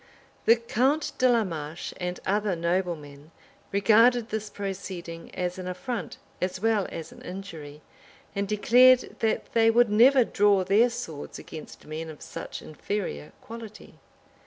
The count de la Marche and other noblemen regarded this proceeding as an affront, as well as an injury; and declared, that they would never draw their swords against men of such inferior quality.